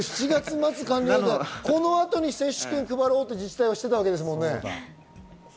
この後に接種券を配ろうと自治体はしていたんですもんね。